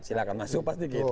silahkan masuk pasti gitu